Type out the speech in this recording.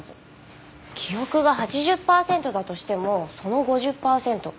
記憶が８０パーセントだとしてもその５０パーセント。